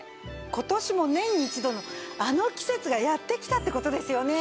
今年も年に一度のあの季節がやって来たって事ですよね？